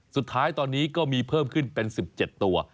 สุดท้ายตอนนี้ก็มีเพิ่มขึ้นเป็น๑๗ตัว